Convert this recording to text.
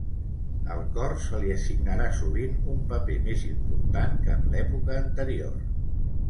Al cor se li assignarà sovint un paper més important que en l'època anterior.